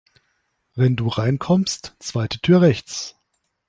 Wenn du reinkommst, zweite Tür rechts.